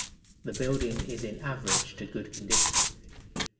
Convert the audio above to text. The building is in average to good condition.